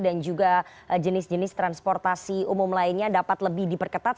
dan juga jenis jenis transportasi umum lainnya dapat lebih diperketat